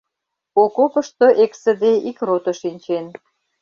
Окопышто эксыде ик рото шинчен.